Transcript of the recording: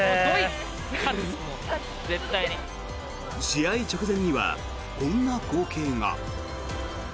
試合直前にはこんな光景が。